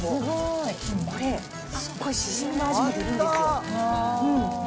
でもこれ、すごいしじみの味がすごい出るんですよ。